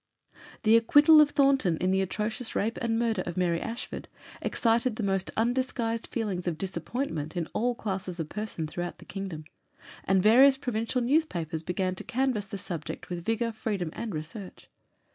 The acquittal of Thornton in the atrocious rape and murder of Mary Ashford excited the most undisguised feelings of disappointment in all classes of persons throughout the kingdom, and various provincial newspapers began to canvass the subject with vigour, freedom, and research.